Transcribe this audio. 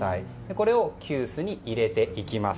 これを急須に入れていきます。